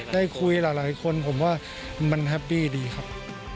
ได้คุยหลายคนผมว่ามันแฮปปี้ดีครับ